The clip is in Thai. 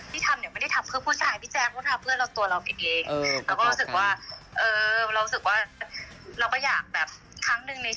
ที่ทำเนี่ยไม่ได้ทำเพื่อผู้ชายพี่แจ๊คก็ทำเพื่อตัวเราเอง